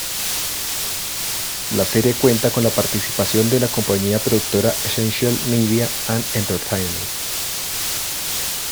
La serie cuenta con la participación de la compañía productora "Essential Media and Entertainment".